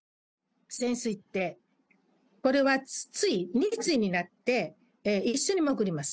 潜水艇、これは対、２対になって一緒に潜ります。